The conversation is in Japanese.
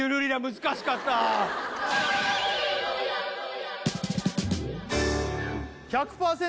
難しかった１００％